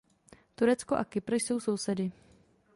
Turecko a Kypr jsou sousedy.